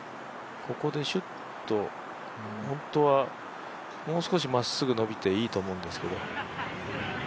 ここでしゅっと、本当はもう少し真っすぐ伸びていいと思うんですけど。